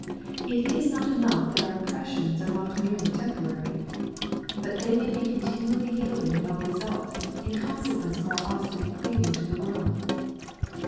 — It is not enough that our impressions are not merely temporary. But they may be continually yielding no result, in consequence of our obstinate cleaving to the world.